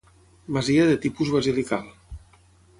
Masia de tipus basilical.